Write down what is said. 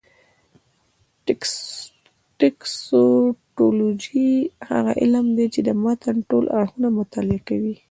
ټکسټولوجي هغه علم دﺉ، چي د متن ټول اړخونه مطالعه کوي.